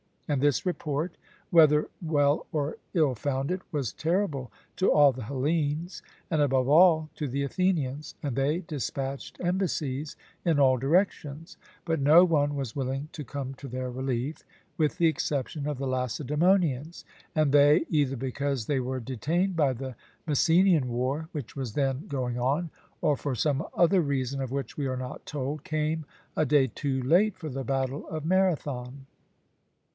And this report, whether well or ill founded, was terrible to all the Hellenes, and above all to the Athenians, and they dispatched embassies in all directions, but no one was willing to come to their relief, with the exception of the Lacedaemonians; and they, either because they were detained by the Messenian war, which was then going on, or for some other reason of which we are not told, came a day too late for the battle of Marathon.